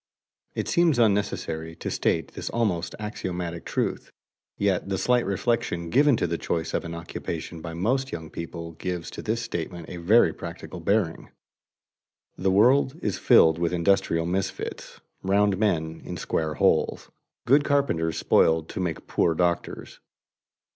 _ It seems unnecessary to state this almost axiomatic truth, yet the slight reflection given to the choice of an occupation by most young people gives to this statement a very practical bearing. The world is filled with industrial misfits, "round men in square holes," good carpenters spoiled to make poor doctors.